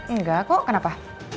enggak kok kenapa